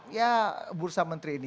ya bursa menteri ini